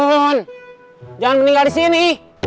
jangan meninggal disini